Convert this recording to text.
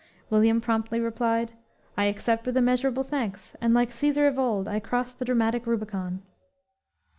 William promptly replied: "I accept with immeasurable thanks, and like Cæsar of old, I cross the dramatic Rubicon."